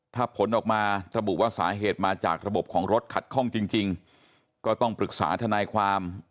ถ้าผลออกมาระบุว่าสาเหตุมาจากระบบของรถขัดข้องจริงก็ต้องปรึกษาทนายความ